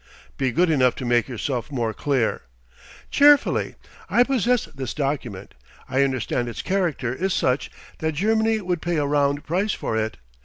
"Be good enough to make yourself more clear." "Cheerfully. I possess this document. I understand its character is such that Germany would pay a round price for it.